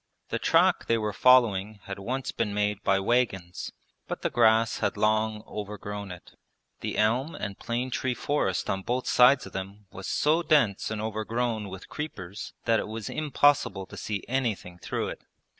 The track they were following had once been made by wagons, but the grass had long overgrown it. The elm and plane tree forest on both sides of them was so dense and overgrown with creepers that it was impossible to see anything through it.